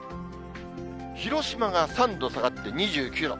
広島が３度下がって２９度。